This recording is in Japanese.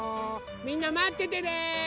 みんなまっててね！